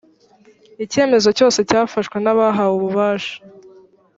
icyemezo cyose cyafashwe n abahawe ububasha